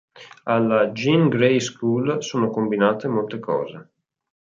Alla Jean Grey School sono combinate molte cose.